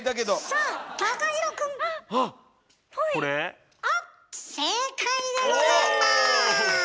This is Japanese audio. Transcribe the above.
あっ正解でございます。